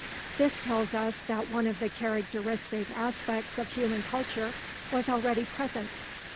This tells us that one of the characteristic aspects of human culture was already present.